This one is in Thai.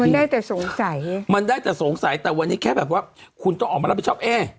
มันได้แต่สงสัยมันได้แต่สงสัยแต่วันนี้แค่แบบว่าคุณต้องออกมารับผิดชอบเอ๊ะ